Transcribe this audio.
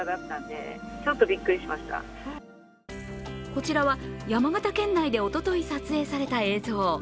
こちらは山形県内でおととい撮影された映像。